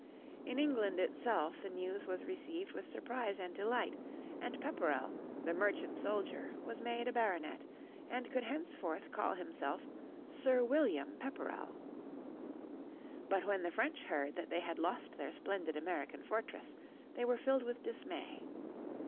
In England itself the news was received with surprise and delight, and Pepperell, the merchant soldier, was made a baronet and could henceforth call himself Sir William Pepperell. But when the French heard that they had lost their splendid American fortress they were filled with dismay.